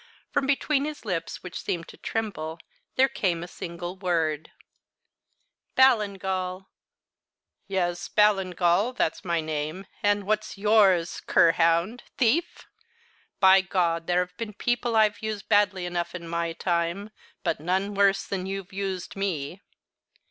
From between his lips, which seemed to tremble, there came a single word "Ballingall!" "Yes, Ballingall! That's my name. And what's yours cur, hound, thief? By God! there have been people I've used badly enough in my time, but none worse than you've used me."